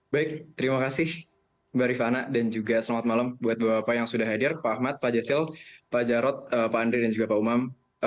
baik terima kasih mbak rifana dan juga selamat malam buat bapak bapak yang sudah hadir pak ahmad pak jasil pak jarod pak andri dan juga pak umam